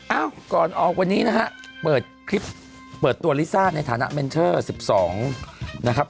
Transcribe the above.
เอ้าก่อนออกวันนี้นะฮะเปิดคลิปเปิดตัวลิซ่าในฐานะเมนเชอร์๑๒นะครับ